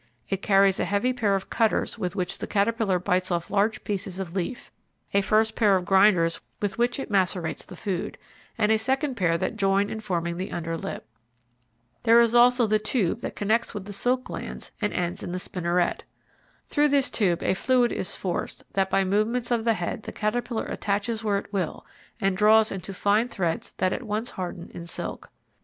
It carries a heavy pair of cutters with which the caterpillar bites off large pieces of leaf, a first pair of grinders with which it macerates the food, and a second pair that join in forming the under lip. There is also the tube that connects with the silk glands and ends in the spinneret. Through this tube a fluid is forced that by movements of the head the caterpillar attaches where it will and draws into fine threads that at once harden in silk.